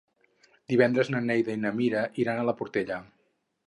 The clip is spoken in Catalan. Divendres na Neida i na Mira iran a la Portella.